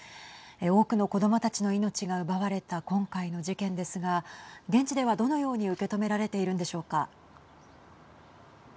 多くの子どもたちの命が奪われた今回の事件ですが現地では、どのように受け止められてはい。